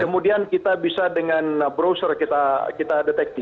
kemudian kita bisa dengan browser kita deteksi